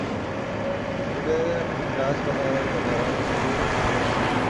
তুঁত গাছ পাতা ঝরা প্রকৃতির ছোট ধরনের বৃক্ষ।